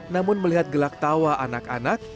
namun melihat gelak tawa anak anak